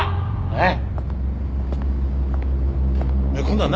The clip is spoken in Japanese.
えっ？